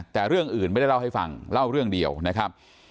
แต่เรื่องอื่นไม่ได้เล่าให้ฟังเล่าเรื่องเดียวนะครับ